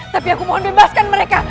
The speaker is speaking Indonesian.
tapi aku mohon bebaskan mereka